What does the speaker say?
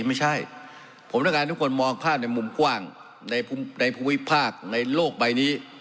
ไม่ใช่ผมต้องการทุกคนมองภาพในมุมกว้างในภูมิภาคในโลกใบนี้